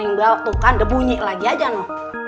neng bau tuh kan debunyi lagi aja neng